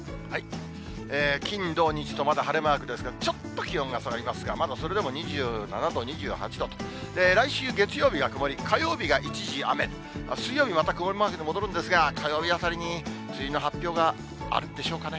金、土、日と、まだ晴れマークですが、ちょっと気温が下がりますが、まだそれでも２７度、２８度、来週月曜日が曇り、火曜日が一時雨、水曜日にまた曇りマークに戻るんですが、火曜日あたりに梅雨入りの発表があるんでしょうかね。